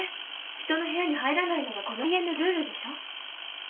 人の部屋に入らないのがこの家のルールでしょう。